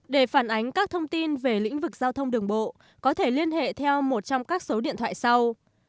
để phản ánh các thông tin về lĩnh vực giao thông đường bộ có thể liên hệ theo một trong các số điện thoại sau